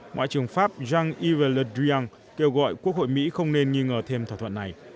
ngoại trưởng pháp jean ivel le drian kêu gọi quốc hội mỹ không nên nghi ngờ thêm thỏa thuận này